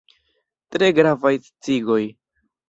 Tre gravaj sciigoj.